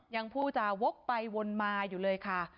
ยังพูดจาวกไปวนมาอยู่เลยค่ะ